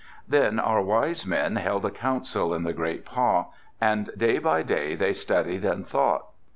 "Then our wise men held a council in the great pah, and day by day they studied and thought.